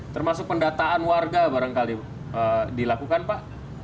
termasuk pendataan warga barangkali dilakukan pak